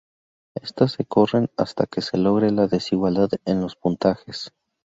Estas se corren hasta que se logre la desigualdad en los puntajes.